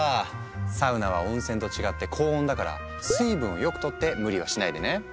サウナは温泉と違って高温だから水分をよくとって無理はしないでね。